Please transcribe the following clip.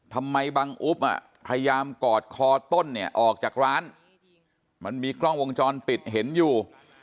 ทำไมบังอุ๊บอ่ะพยายามกอดคอต้นเนี่ยออกจากร้านมันมีกล้องวงจรปิดเห็นอยู่